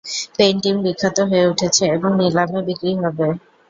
Painting বিখ্যাত হয়ে উঠেছে, এবং নিলামে বিক্রি হবে।